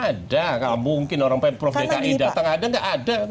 ada kalau mungkin orang prof dki datang ada tidak ada